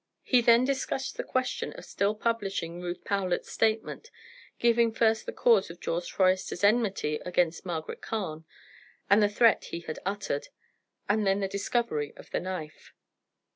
He then discussed the question of still publishing Ruth Powlett's statement, giving first the cause of George Forester's enmity against Margaret Carne, and the threat he had uttered, and then the discovery of the knife.